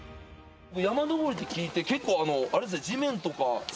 山登りって聞いて結構あれですね